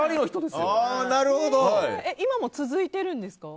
今も続いてるんですか？